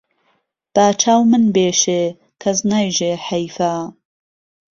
با چاو من بێشێ کەس نایژێ حەیفە